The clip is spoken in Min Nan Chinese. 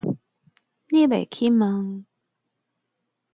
你欲去毋